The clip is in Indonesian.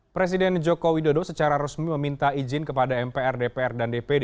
presiden joko widodo secara resmi meminta izin kepada mpr dpr dan dpd